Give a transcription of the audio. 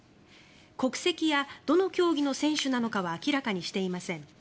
国籍やどの競技の選手なのかは明らかにしていません。